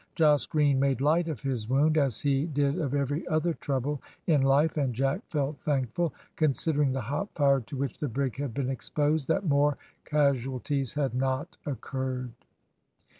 Jos Green made light of his wound, as he did of every other trouble in life, and Jack felt thankful, considering the hot fire to which the brig had been exposed, that more casualties had not occurred.